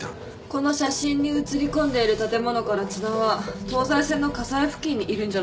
この写真に写りこんでいる建物から津田は東西線の葛西付近にいるんじゃないかって